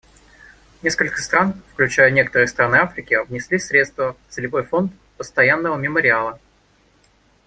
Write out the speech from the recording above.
Несколько стран, включая некоторые страны Африки, внесли средства в Целевой фонд постоянного мемориала.